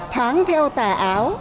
thoáng theo tà áo